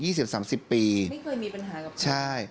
ไม่เคยมีปัญหากับคนอื่นไหมใช่